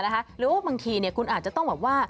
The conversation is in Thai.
หรือว่าบางทีคุณอาจจะต้องแบบว่า